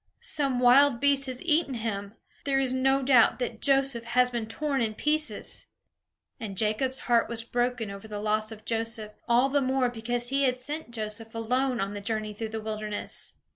Some wild beast has eaten him. There is no doubt that Joseph has been torn in pieces!" And Jacob's heart was broken over the loss of Joseph, all the more because he had sent Joseph alone on the journey through the wilderness.